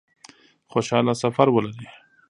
خوشحاله سفر ولري